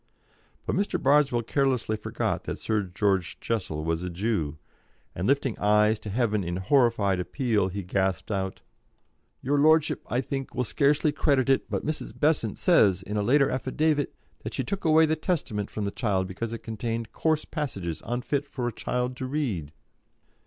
But Mr. Bardswell carelessly forgot that Sir George Jessel was a Jew, and lifting eyes to heaven in horrified appeal, he gasped out: "Your lordship, I think, will scarcely credit it, but Mrs. Besant says, in a later affidavit, that she took away the Testament from the child because it contained coarse passages unfit for a child to read."